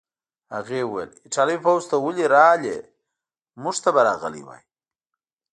هغې وویل: ایټالوي پوځ ته ولې راغلې؟ موږ ته به راغلی وای.